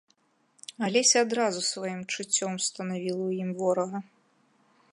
Алеся адразу сваім чуццём устанавіла ў ім ворага.